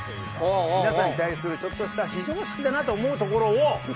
皆さんに対するちょっとした非常識だなと思うところを。